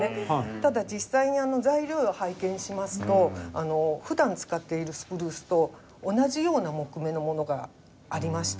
ただ実際に材料を拝見しますと普段使っているスプルースと同じような木目のものがありまして。